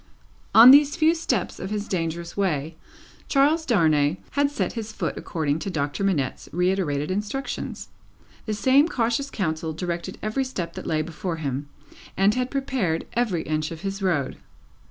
On these few steps of his dangerous way, Charles Darnay had set his foot according to Doctor Manette's reiterated instructions. The same cautious counsel directed every step that lay before him, and had prepared every inch of his road.